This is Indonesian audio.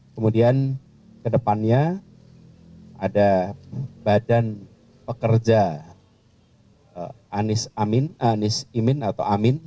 kemudian ke depannya ada badan pekerja anies imin atau amin